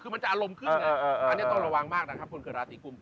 คือมันจะอารมณ์ขึ้นไงอันนี้ต้องระวังมากนะครับคนเกิดราศีกุม